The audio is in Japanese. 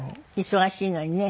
忙しいのにね。